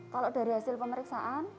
kalau dari hasil pemeriksaan